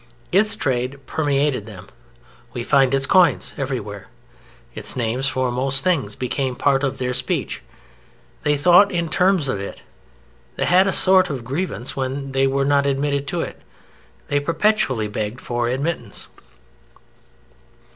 Its trade permeated them. We find its coins everywhere. Its names for most things became part of their speech. They thought in terms of it. They had a sort of grievance when they were not admitted to it. They perpetually begged for admittance.